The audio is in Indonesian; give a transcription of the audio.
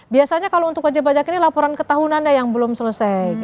biasanya kalau untuk wajib pajak ini laporan ketahunannya yang belum selesai